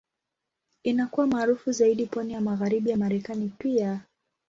Inakuwa maarufu zaidi pwani ya Magharibi ya Marekani pia.